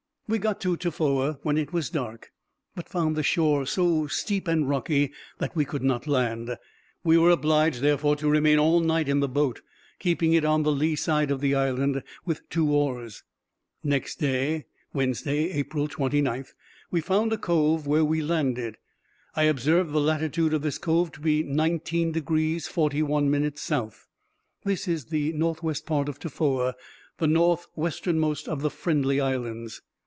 We got to Tofoa when it was dark, but found the shore so steep and rocky that we could not land. We were obliged, therefore, to remain all night in the boat, keeping it on the lee side of the island, with two oars. Next day (Wednesday, April 29) we found a cove, where we landed. I observed the latitude of this cove to be 19 degrees 41 minutes south. This is the northwest part of Tofoa, the north westernmost of the Friendly Islands.